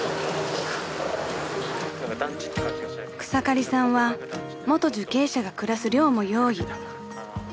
［草刈さんは元受刑者が暮らす寮も用意］